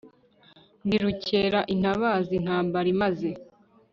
ndi rukera intabaza intambara imaze